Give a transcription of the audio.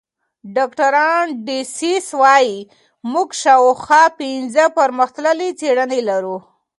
ډاکټر ډسیس وايي موږ شاوخوا پنځه پرمختللې څېړنې لرو.